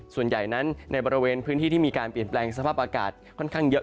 ส่วนใหญ่นั้นในบริเวณพื้นที่ที่มีการเปลี่ยนแปลงสภาพอากาศค่อนข้างเยอะ